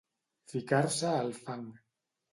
Ficar-se al fang.